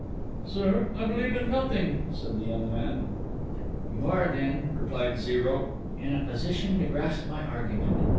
'Sir, I believe in nothing,' said the young man. 'You are then,' replied Zero, 'in a position to grasp my argument.